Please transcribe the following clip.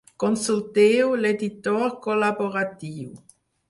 Consulteu l'editor col·laboratiu.